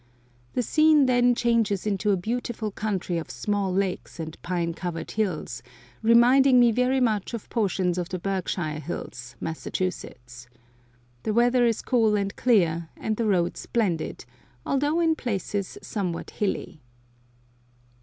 The scene then changes into a beautiful country of small lakes and pine covered hills, reminding me very much of portions of the Berkshire Hills, Mass. The weather is cool and clear, and the road splendid, although in places somewhat hilly.